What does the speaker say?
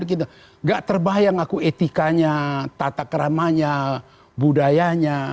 nggak terbayang aku etikanya tatak ramanya budayanya